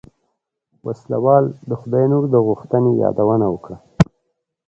وسله وال د خداينور د غوښتنې يادونه وکړه.